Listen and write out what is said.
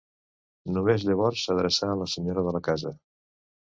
Només llavors s'adreça a la senyora de la casa.